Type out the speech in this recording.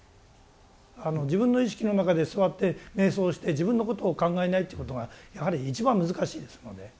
自分の意識の中で座って瞑想して自分のことを考えないってことがやはり一番難しいですので。